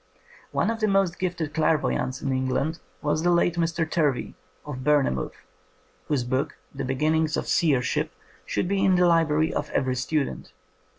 One of the most gifted clairvoyants in England was the late Mr. Turvey, of Bourne mouth, whose book. The Beginnings of Seersliip, should be in the library of every student.